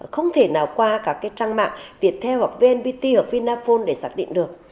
không thể nào qua các trang mạng viettel hoặc vnpt hoặc vinaphone để xác định được